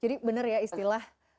jadi bener ya istilah